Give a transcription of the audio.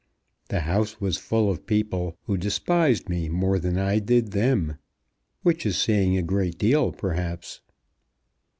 The house was full of people, who despised me more than I did them." "Which is saying a great deal, perhaps."